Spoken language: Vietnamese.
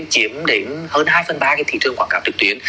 chiếm đến hơn hai phần ba thị trường quảng cáo trực tuyến